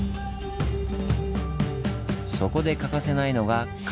そこで欠かせないのが「風」。